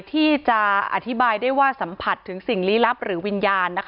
ที่จะอธิบายได้ว่าสัมผัสถึงสิ่งลี้ลับหรือวิญญาณ